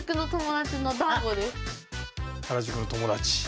原宿の友達。